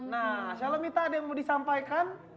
nah shalomita ada yang mau disampaikan